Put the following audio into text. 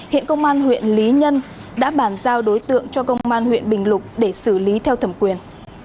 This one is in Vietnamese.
hiện công an huyện lý nhân đã bàn giao đối tượng cho công an huyện bình lục để xử lý theo thẩm quyền